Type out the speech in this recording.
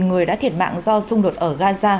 một người đã thiệt mạng do xung đột ở gaza